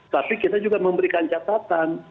tapi kita juga memberikan catatan